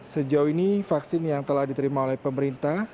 sejauh ini vaksin yang telah diterima oleh pemerintah